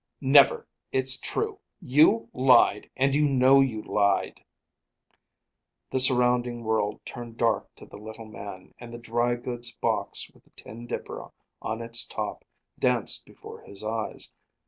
"Never. It's true. You lied, and you know you lied." The surrounding world turned dark to the little man, and the dry goods box with the tin dipper on its top, danced before his eyes.